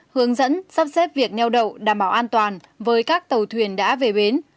hướng dẫn sắp xếp việc neo đậu đảm bảo an toàn với các tàu thuyền đã về bến